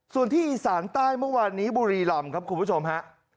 ส่วนที่อีสานใต้เมื่อวานนี้บุรีรำครับคุณผู้ชมฮะ